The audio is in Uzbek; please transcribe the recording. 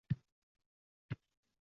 Sa’dulla Ahmadga osonmi?